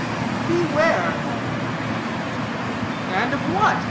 But beware." "And of what?